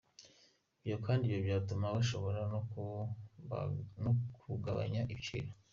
Ibyo kandi ngo byatuma bashobora no kugabanya ibiciro.